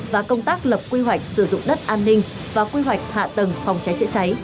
và công tác lập quy hoạch sử dụng đất an ninh và quy hoạch hạ tầng phòng cháy chữa cháy